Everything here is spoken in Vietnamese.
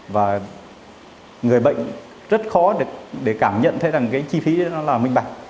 và người bệnh rất khó để cảm nhận thấy rằng cái chi phí đó là minh bạch